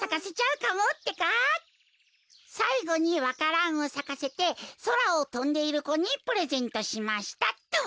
「さいごにわからんをさかせてそらをとんでいる子にプレゼントしました」っと。